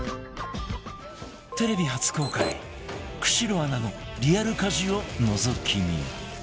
テレビ初公開久代アナのリアル家事をのぞき見